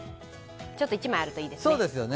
ちょっと１枚あるといいですね。